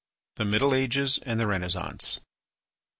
THE MIDDLE AGES AND THE RENAISSANCE I.